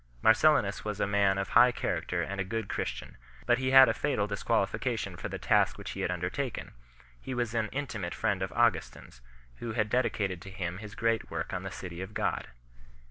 Marcellinus was a man of high character and a good Christian ; but he had a fatal disqualification for the task which he had undertaken he was an in timate friend of Augustin s, who had dedicated to him his great work on the City of God.